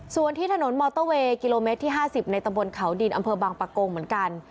ส่วนที่ถนนมอเตอร์เวย์กิโลเมตรที่๕๐ในตะบนเขาดินอำเภอบางปะโกงเหมือนกัน